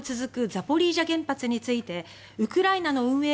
ザポリージャ原発についてウクライナの運営